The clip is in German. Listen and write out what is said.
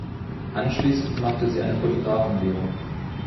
Anschließend machte sie eine Fotografenlehre.